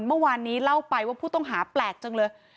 เมื่อวานนี้เล่าไปว่าผู้ต้องหาแปลกจังเลย